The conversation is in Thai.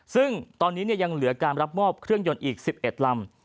ซึ่งตอนนี้ยังเหลือการรับมอบเครื่องยนต์อีก๑๑ลำ